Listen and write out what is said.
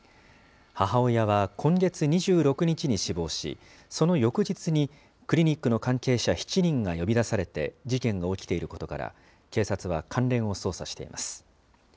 母親は今月２６日に死亡し、その翌日に、クリニックの関係者７人が呼び出されて事件が起きていることから、警察は関連を捜査しています。